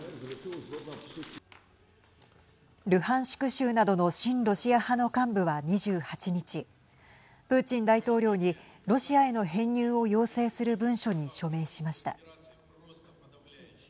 ルハンシク州などの親ロシア派の幹部は２８日プーチン大統領にロシアへの編入を要請する文書に署名しました。